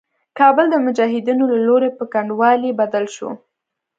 کابل د مجاهدينو له لوري په کنډوالي بدل شو.